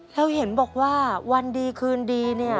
คุณบอกว่าวันดีคืนดีเนี่ย